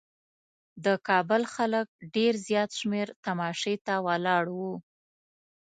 د کابل خلک ډېر زیات شمېر تماشې ته ولاړ وو.